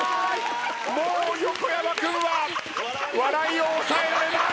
もう横山君は笑いを抑えられない。